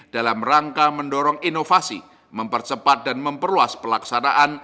dalam rangka mendorong inovasi mempercepat dan memperluas pelaksanaan